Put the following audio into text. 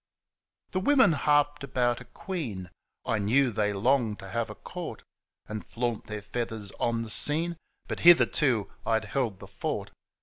The women harped about a queen, I knew they longed to have a court And flaunt their f eathars on the scene, But hitherto I'd held the fort.